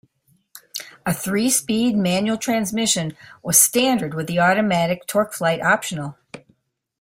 A three-speed manual transmission was standard with the automatic TorqueFlite optional.